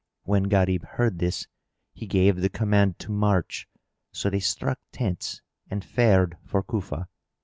When Gharib heard this, he gave the command to march; so they struck tents and fared for Cufa.